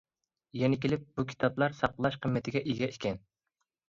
يەنە كېلىپ بۇ كىتابلار ساقلاش قىممىتىگە ئىگە ئىكەن.